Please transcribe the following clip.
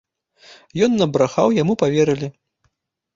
Ён набрахаў, яму паверылі.